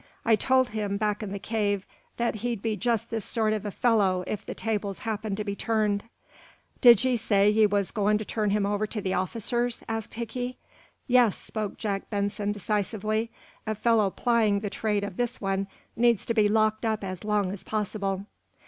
I told him, back in the cave, that he'd be just this sort of a fellow if the tables happened to be turned." "Did ye say ye was going to turn him over to the officers?" asked Hickey. "Yes," spoke Jack Benson, decisively. "A fellow plying the trade of this one needs to be locked up as long as possible."